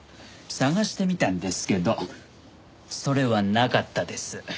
探してみたんですけどそれはなかったです。